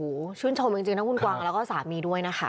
โอ้โหชื่นชมจริงทั้งคุณกวางแล้วก็สามีด้วยนะคะ